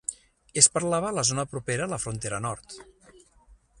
Es parlava a la zona propera a la frontera nord.